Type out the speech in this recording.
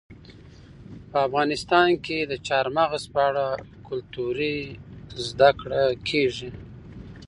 په افغانستان کې د چار مغز په اړه ګټورې زده کړې کېږي.